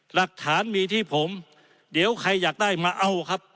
หลักฐานมีที่ผมเดี๋ยวใครอยากได้มาเอาครับ